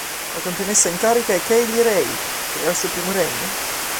La campionessa in carica è Kay Lee Ray, che è al suo primo regno.